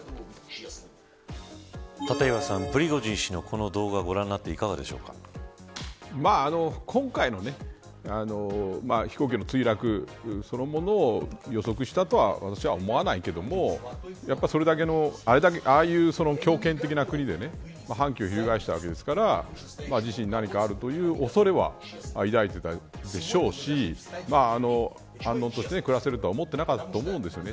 立岩さん、プリゴジン氏のこの動画をご覧になって今回の飛行機の墜落そのものを予測したとは私は思わないけれどああいう強権的な国で反旗を翻したわけですから自身に何かあるという恐れは抱いていたでしょうし安穏として暮らせるとは思っていなかったと思うんですよね。